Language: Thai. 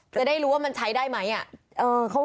จะได้รู้ว่ามันใช้ได้ไหม